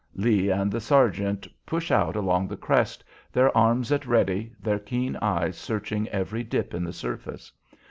Lee and the sergeant push out along the crest, their arms at "ready," their keen eyes searching every dip in the surface.